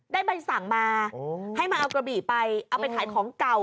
ได้ใบสั่งมาให้มาเอากระบี่ไปเอาไปขายของเก่า